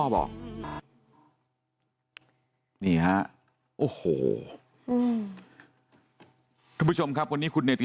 บอกนี่ฮะโอ้โหทุกผู้ชมครับวันนี้คุณเนติ